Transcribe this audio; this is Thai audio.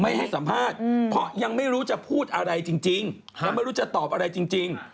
ไม่ให้สัมภาษณ์เพราะยังไม่รู้จะพูดอะไรจริงแล้วไม่รู้จะตอบอะไรจริง